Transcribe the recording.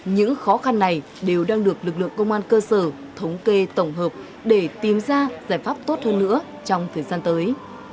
những khó khăn này đều đang được lực lượng công an cơ sở thống kê tổng hợp để tìm ra giải pháp tốt hơn nữa trong thời gian tới